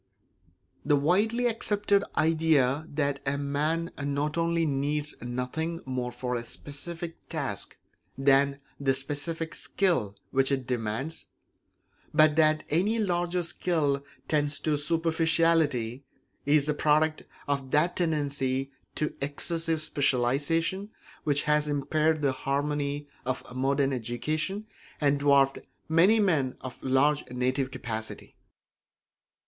The widely accepted idea that a man not only needs nothing more for a specific task than the specific skill which it demands, but that any larger skill tends to superficiality, is the product of that tendency to excessive specialisation which has impaired the harmony of modern education and dwarfed many men of large native capacity.